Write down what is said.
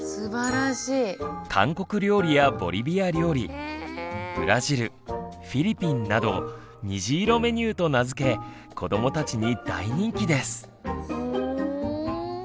韓国料理やボリビア料理ブラジルフィリピンなど「にじいろメニュー」と名付け子どもたちに大人気です。